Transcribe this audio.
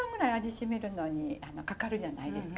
しみるのにかかるじゃないですか。